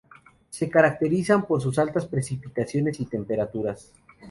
Se caracterizan por sus altas precipitaciones y temperaturas.